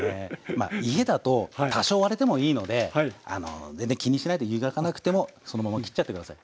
まあ家だと多少割れてもいいので全然気にしないで湯がかなくてもそのまま切っちゃって下さい。